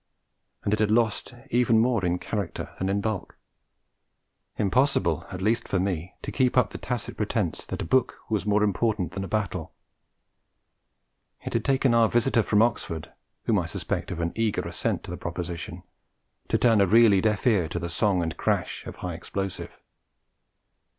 And it had lost even more in character than in bulk. Impossible, at least for me, to keep up the tacit pretence that a book was more important than a battle; it had taken our visitor from Oxford (whom I suspect of an eager assent to the proposition) to turn a really deaf ear to the song and crash of high explosive.